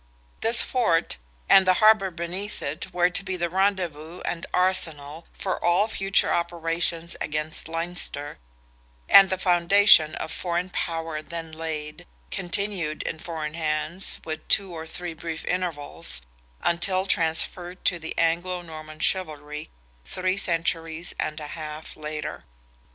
This fort and the harbour beneath it were to be the rendezvous and arsenal for all future operations against Leinster, and the foundation of foreign power then laid, continued in foreign hands, with two or three brief intervals, until transferred to the Anglo Norman chivalry, three centuries and a half later.